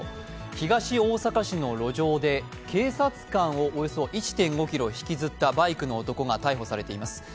東大阪市の路上で警察官をおよそ１．５ｋｍ引きずったバイクの男が逮捕されています。